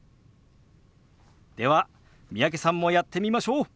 では三宅さんもやってみましょう。